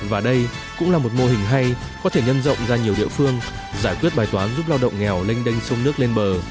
và đây cũng là một mô hình hay có thể nhân rộng ra nhiều địa phương giải quyết bài toán giúp lao động nghèo lênh đênh sông nước lên bờ